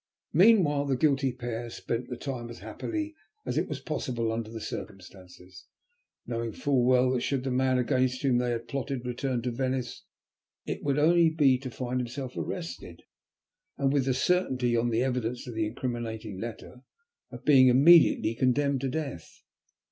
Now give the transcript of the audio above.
Meanwhile the guilty pair spent the time as happily as was possible under the circumstances, knowing full well that should the man against whom they had plotted return to Venice, it would only be to find himself arrested, and with the certainty, on the evidence of the incriminating letter, of being immediately condemned to death.